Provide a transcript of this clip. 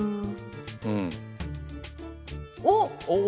うん。おっ！